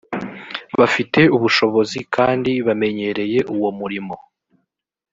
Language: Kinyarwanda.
bafite ubushobozi kandi bamenyereye uwo murimo